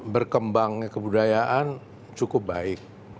berkembangnya kebudayaan cukup baik